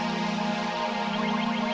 tetap mudah ter finuck